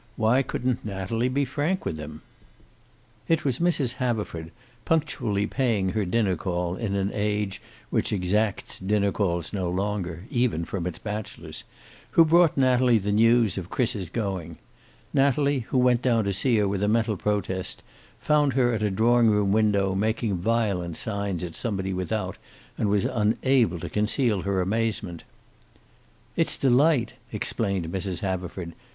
Why couldn't Natalie be frank with him? It was Mrs. Haverford, punctually paying her dinner call in an age which exacts dinner calls no longer even from its bachelors who brought Natalie the news of Chris's going. Natalie, who went down to see her with a mental protest, found her at a drawing room window, making violent signals at somebody without, and was unable to conceal her amazement. "It's Delight," explained Mrs. Haverford.